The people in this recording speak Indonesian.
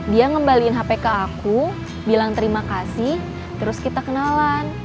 dia ngembaliin hp ke aku bilang terima kasih terus kita kenalan